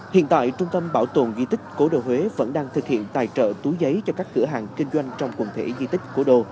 hiện tại trung tâm bảo tồn di tích cố đô huế vẫn đang thực hiện tài trợ túi giấy cho các cửa hàng kinh doanh trong quần thể di tích